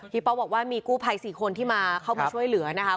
ป๊อกบอกว่ามีกู้ภัย๔คนที่มาเข้ามาช่วยเหลือนะคะ